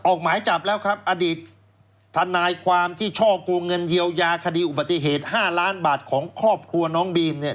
ออกหมายจับแล้วครับอดีตทนายความที่ช่อกงเงินเยียวยาคดีอุบัติเหตุ๕ล้านบาทของครอบครัวน้องบีมเนี่ย